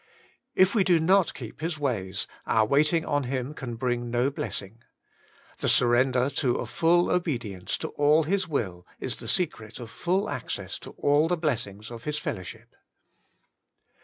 If we do not keep His ways, our waiting on Him can bring no blessing. The surrender to a full obedience to all His will, is the secret of full access to all the blessings of His fellowship.